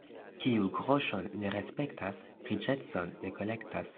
Kiu groŝon ne respektas, riĉecon ne kolektas.